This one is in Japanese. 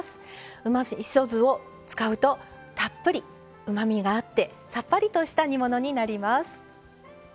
うまみそ酢を使うとたっぷりうまみがあってさっぱりとした煮物になります。